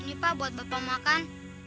ini pak buat bapak makan